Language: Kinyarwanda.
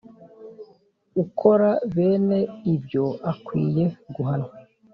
Ukora bene ibyoakwiye guhanwa